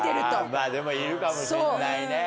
あまぁでもいるかもしんないね。